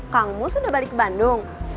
kang mus udah balik ke bandung